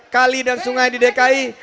kali dan sungai di dki